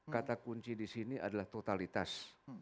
kata kunci di sini adalah totalitas